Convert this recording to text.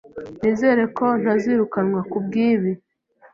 Nizere ko ntazirukanwa kubwibi.